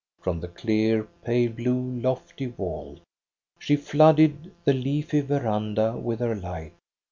From the clear, pale blue, lofty vault She flooded the leafy veranda with her light.